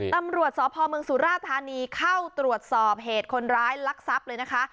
ตำรวจสพเมืองสุราธานีเข้าตรวจสอบเหตุคนร้ายลักทรัพย์เลยนะคะ